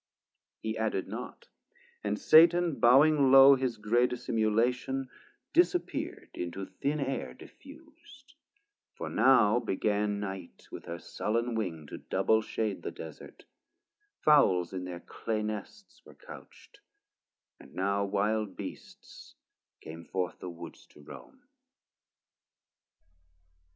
He added not; and Satan bowing low His gray dissimulation, disappear'd Into thin Air diffus'd: for now began Night with her sullen wing to double shade 500 The Desert Fowls in thir clay nests were couch't; And now wild Beasts came forth the woods to roam.